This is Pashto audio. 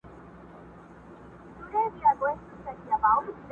کابل به وي، فرنګ به وي خو اکبر خان به نه وي.!